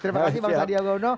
terima kasih bang sandi aga uno